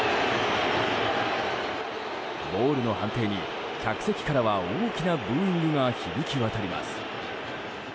ボールの判定に客席からは大きなブーイングが響き渡ります。